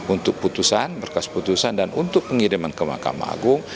untuk putusan berkas putusan dan untuk pengiriman ke mahkamah agung